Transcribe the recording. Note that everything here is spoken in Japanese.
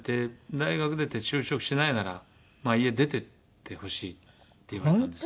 大学出て就職しないなら家出てってほしいって言われたんですよ。